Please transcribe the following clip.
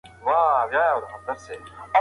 بڼوال په خپلو باغونو کي کار کوي.